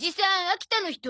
秋田の人？